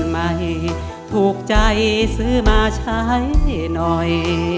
ไม่ถูกใจซื้อมาใช้หน่อย